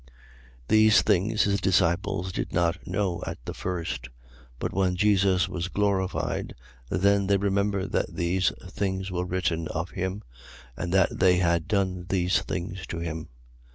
12:16. These things his disciples did not know at the first: but when Jesus was glorified, then they remembered that these things were written of him and that they had done these things to him.